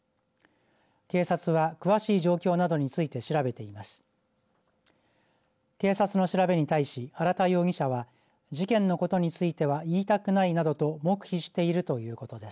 警察は詳しい状況などについて調べています。